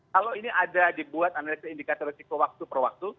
kalau ini ada dibuat analisa indikator risiko waktu per waktu